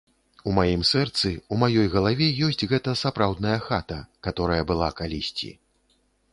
У маім сэрцы, у маёй галаве ёсць гэта сапраўдная хата, каторая была калісьці.